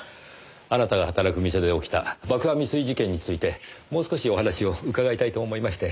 あなたが働く店で起きた爆破未遂事件についてもう少しお話を伺いたいと思いまして。